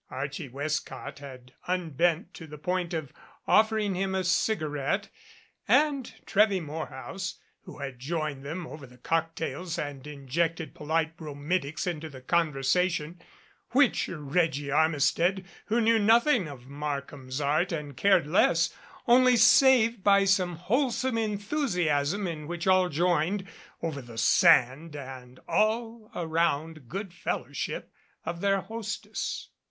Archie West cott had unbent to the point of offering him a cigarette, and Trewy Morehouse, who had joined them over the cocktails, and injected polite bromidics into the conver sation which Reggie Armistead, who knew nothing of Markham's art and cared less, only saved by some whole some enthusiasm, in which all joined, over the "sand" and all around good fellowship of their hostess.